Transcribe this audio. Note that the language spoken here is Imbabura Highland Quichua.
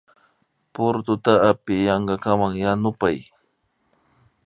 Purututa apiyankakaman yanupay